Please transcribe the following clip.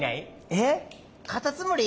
えっカタツムリ？